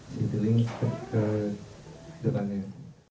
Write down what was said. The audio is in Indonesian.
citilink seperti kehidupannya